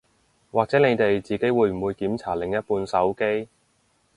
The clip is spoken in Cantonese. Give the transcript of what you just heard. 或者你哋自己會唔會檢查另一半手機